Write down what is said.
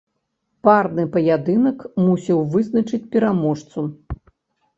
Парны паядынак мусіў вызначыць пераможцу.